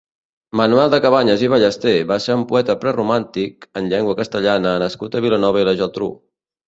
Manuel de Cabanyes i Ballester va ser un poeta preromàntic en llengua castellana nascut a Vilanova i la Geltrú.